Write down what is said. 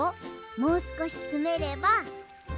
もうすこしつめれば。